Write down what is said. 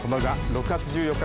６月１４日